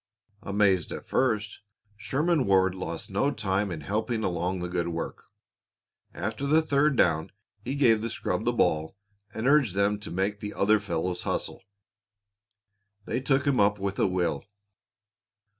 Amazed at first, Sherman Ward lost no time in helping along the good work. After the third down he gave the scrub the ball and urged them to make the other fellows hustle. They took him up with a will.